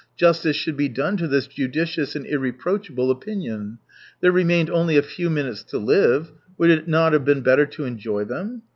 Justice should be done to. this judicious and irreproachable opinion. There remained only a few minutes to live — would it not have been better to enjoy them